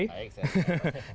baik selamat malam